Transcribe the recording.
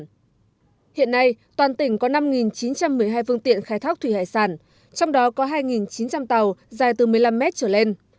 hiện nay toàn tỉnh có năm chín trăm một mươi hai phương tiện khai thác thủy hải sản trong đó có hai chín trăm linh tàu dài từ một mươi năm mét trở lên